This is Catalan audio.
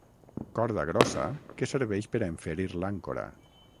Corda grossa que serveix per a enferir l'àncora.